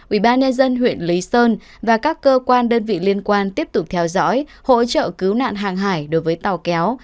ubnd huyện lý sơn và các cơ quan đơn vị liên quan tiếp tục theo dõi hỗ trợ cứu nạn hàng hải đối với tàu kéo